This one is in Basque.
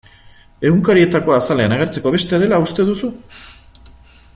Egunkarietako azalean agertzeko beste dela uste duzu?